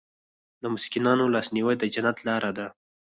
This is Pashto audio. د مسکینانو لاسنیوی د جنت لاره ده.